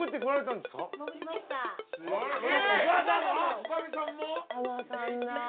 ・女将さんも？